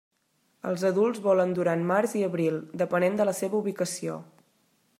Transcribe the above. Els adults volen durant març i abril, depenent de la seva ubicació.